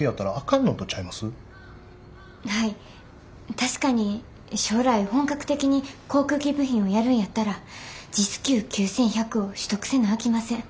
確かに将来本格的に航空機部品をやるんやったらＪＩＳＱ９１００を取得せなあきません。